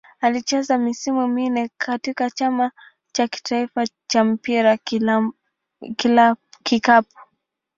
Alicheza misimu minne katika Chama cha taifa cha mpira wa kikapu.